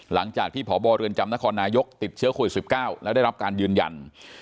หลังจากที่พบเรือนจำนครนายกติดเชื้อโควิด๑๙แล้วได้รับการยืนยัน